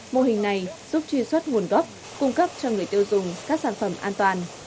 mô hình này giúp truy xuất nguồn gốc cung cấp cho người tiêu dùng các sản phẩm an toàn